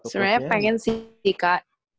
sebenarnya pengen sih kak